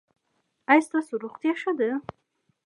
ایا ستاسو روغتیا ښه ده؟